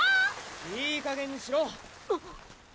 いいかげんにしろ！